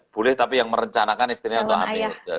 boleh tapi yang merencanakan istrinya untuk hamil